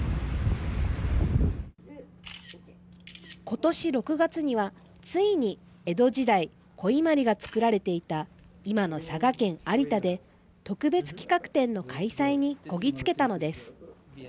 今年６月には、ついに江戸時代古伊万里が作られていた今の佐賀県有田で特別企画展の開催にこぎつけたのです。